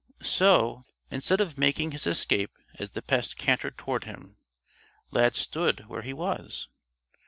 So, instead of making his escape as the pest cantered toward him, Lad stood where he was.